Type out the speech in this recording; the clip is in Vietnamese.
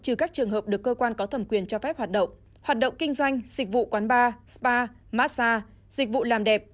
trừ các trường hợp được cơ quan có thẩm quyền cho phép hoạt động hoạt động kinh doanh dịch vụ quán bar spa massage dịch vụ làm đẹp